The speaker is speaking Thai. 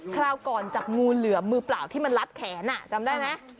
คราวก่อนจับงูเหลือมมือเปล่าที่มันลัดแขนจำได้ไหม